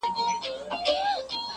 مور مې پۀ دواړه لاسه شپه وه موسله وهله,